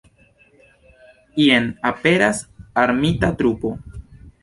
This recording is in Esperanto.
Jen aperas armita trupo.